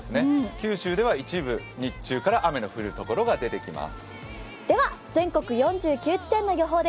九州では一部、日中から雨の降るところが出てきます。